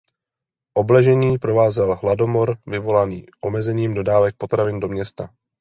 Obležení provázel hladomor vyvolaný omezením dodávek potravin do města.